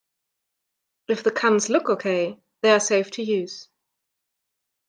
If the cans look okay, they are safe to use.